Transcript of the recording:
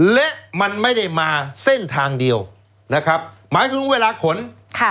และมันไม่ได้มาเส้นทางเดียวนะครับหมายถึงเวลาขนค่ะ